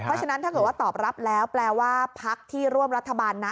เพราะฉะนั้นถ้าเกิดว่าตอบรับแล้วแปลว่าพักที่ร่วมรัฐบาลนะ